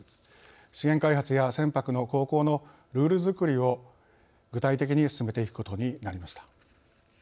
資源開発や船舶の航行のルールづくりを具体的に進めていくことになりました。